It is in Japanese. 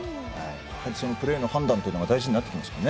やはりそのプレーの判断というのが大事になってきますよね。